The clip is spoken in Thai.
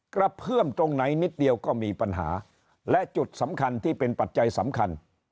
กระเพื่อมตรงไหนนิดเดียวก็มีปัญหาและจุดสำคัญที่เป็นปัจจัยสำคัญ